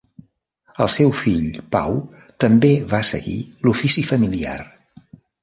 El seu fill Pau també va seguir l'ofici familiar.